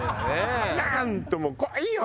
なんでもう来いよ！